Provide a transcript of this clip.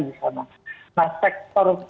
di sana nah sektor